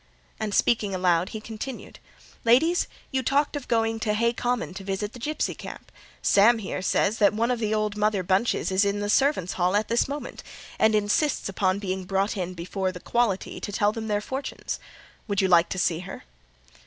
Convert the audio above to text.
And speaking aloud, he continued—"Ladies, you talked of going to Hay Common to visit the gipsy camp; Sam here says that one of the old Mother Bunches is in the servants' hall at this moment, and insists upon being brought in before 'the quality,' to tell them their fortunes. Would you like to see her?"